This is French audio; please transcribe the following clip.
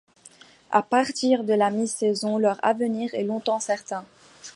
À partir de la mi-saison, leur avenir est longtemps certains.